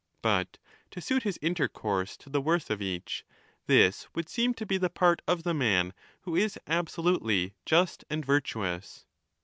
But to suit his intercourse to the worth of each, this would seem to be the part of the man who is absolutely just and virtuous.